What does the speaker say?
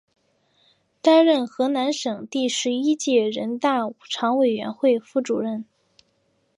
担任河南省第十一届人大常委会副主任。